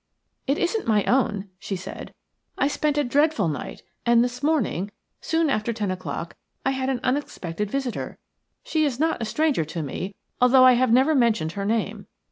"It isn't my own," she said. "I spent a dreadful night, and this morning, soon after ten o'clock, I had an unexpected visitor. She is not a stranger to me, although I have never mentioned her name.